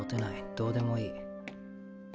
どうでもいい。